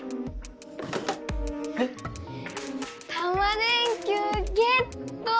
え⁉タマ電Ｑゲットー！